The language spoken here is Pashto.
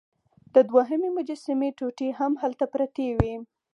د دوهمې مجسمې ټوټې هم هلته پرتې وې.